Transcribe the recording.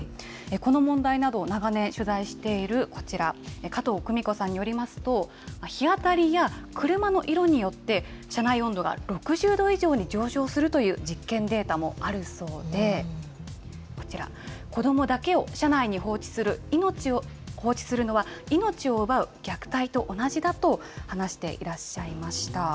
この問題など、長年、取材しているこちら、加藤久美子さんによりますと、日当たりや、車の色によって、車内温度が６０度以上に上昇するという実験データもあるそうで、こちら、子どもだけを車内に放置するのは、命を奪う虐待と同じだと話していらっしゃいました。